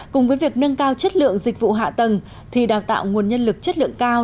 cùng với việc nâng cao chất lượng dịch vụ hạ tầng thì đào tạo nguồn nhân lực chất lượng cao